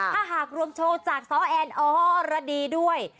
ถ้าหากรวมโชว์จากซ้อแอนออรดีด้วย